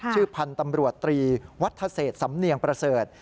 ชื่อพันธ์ตำรวจตรีวัฒเศษสำเนียงประเสริฐ